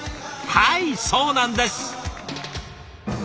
はいそうなんです！